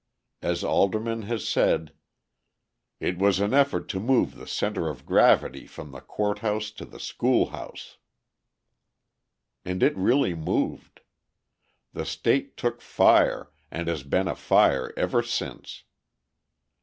As Alderman has said: "It was an effort to move the centre of gravity from the court house to the school house." And it really moved; the state took fire and has been afire ever since.